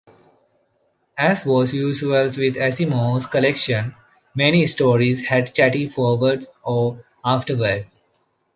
As was usual with Asimov's collections, many stories had chatty forewords or afterwords.